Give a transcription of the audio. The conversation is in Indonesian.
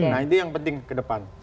nah itu yang penting ke depan